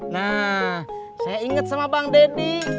nah saya ingat sama bang deddy